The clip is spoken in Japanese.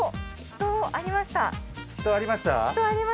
「人」ありました。